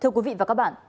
thưa quý vị và các bạn